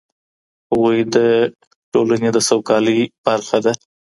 هغوی د ټولنې د سوکالۍ برخه ده.